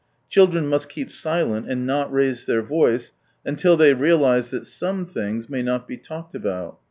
Children must keep silent and not raise their voice until they realise that some things may not be talked about.